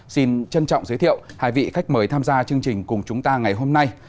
xin trân trọng giới thiệu hai vị khách mời tham gia chương trình cùng chúng ta ngày hôm nay